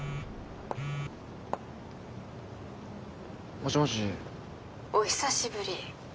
もしもし☎お久しぶり